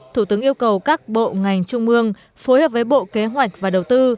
thủ tướng yêu cầu các bộ ngành trung mương phối hợp với bộ kế hoạch và đầu tư